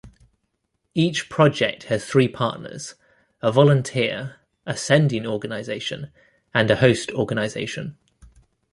Each project has three partners, a volunteer, a sending organisation and a host organisation.